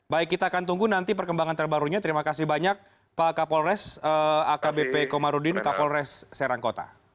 baik kita akan tunggu nanti perkembangan terbarunya terima kasih banyak pak kapolres akbp komarudin kapolres serangkota